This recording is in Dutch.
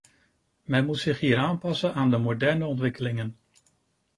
Men moet zich hier aanpassen aan de moderne ontwikkelingen.